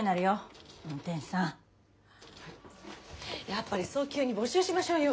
やっぱり早急に募集しましょうよ